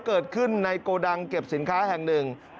เกิดขึ้นในโกดังเก็บสินค้าแห่งหนึ่ง